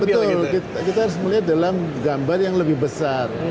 betul kita harus melihat dalam gambar yang lebih besar